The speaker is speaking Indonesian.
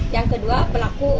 yang kedua pelaku